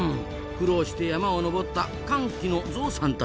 苦労して山を登った「乾季」のゾウさんたち。